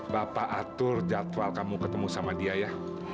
bapak atur jadwal kamu ketemu sama dia ya